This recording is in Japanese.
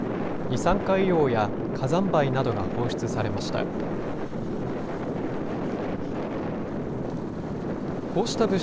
二酸化硫黄や火山灰などが放出されました。